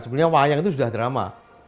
sebenarnya wayang itu sudah drama